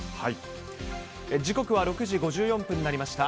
時刻は６時５４分になりました。